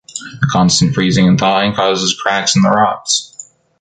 The constant freezing and thawing causes cracks in the rocks